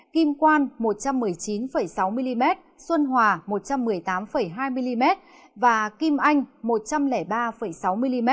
kim quan một trăm một mươi chín sáu mm xuân hòa một trăm một mươi tám hai mm và kim anh một trăm linh ba sáu mm